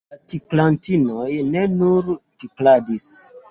La tiklantinoj ne nur tikladis.